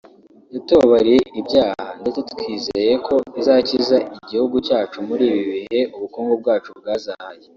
yatubabaririye ibyaha ndetse twizeye ko izakiza igihugu cyacu muri ibi bihe ubukungu bwacu bwazahaye